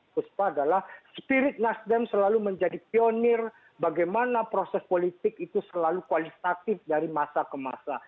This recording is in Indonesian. puspa adalah spirit nasdem selalu menjadi pionir bagaimana proses politik itu selalu kualitatif dari masa ke masa